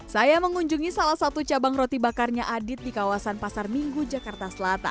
saya mengunjungi salah satu cabang roti bakarnya adit di kawasan pasar minggu jakarta selatan